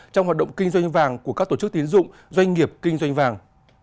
trong hoạt động kinh doanh vàng của các tổ chức tiến dụng doanh nghiệp kinh doanh vàng